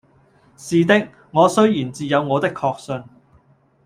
是的，我雖然自有我的確信，